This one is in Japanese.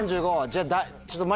じゃあ。